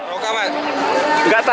durian sudah berasa